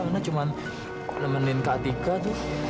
ana cuma nemenin kak tika tuh